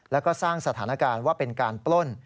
แล้วก็สร้างสถานการณ์ว่าเป็นการปล้น